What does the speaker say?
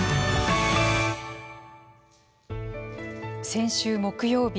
先週木曜日